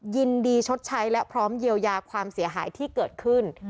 ชดใช้และพร้อมเยียวยาความเสียหายที่เกิดขึ้น